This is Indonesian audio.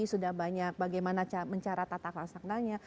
sudah banyak bagaimana mencarat tatak langsangannya